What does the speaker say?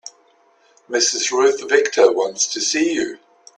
Mrs. Ruth Victor wants to see you.